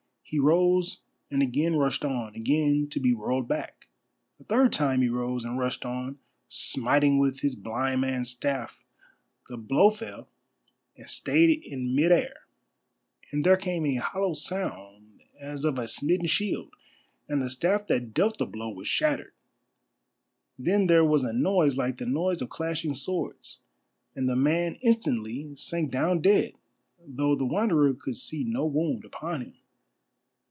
He rose and again rushed on, again to be whirled back. A third time he rose and rushed on, smiting with his blind man's staff. The blow fell, and stayed in mid air, and there came a hollow sound as of a smitten shield, and the staff that dealt the blow was shattered. Then there was a noise like the noise of clashing swords, and the man instantly sank down dead, though the Wanderer could see no wound upon him.